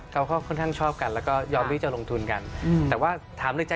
คุณผู้ชมไม่เจนเลยค่ะถ้าลูกคุณออกมาได้มั้ยคะ